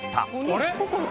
あれ？